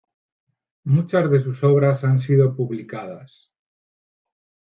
Muchas de sus obras han sido publicadas.